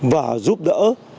và giúp đỡ